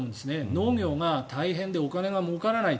農業が大変でお金がもうからない。